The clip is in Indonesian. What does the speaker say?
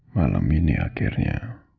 malam ini akhirnya